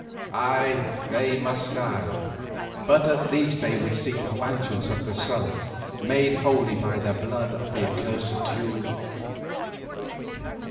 Ay, they must die, but at the least they would seek the Mansions of the Sun made holy by the blood of the accursed Teule.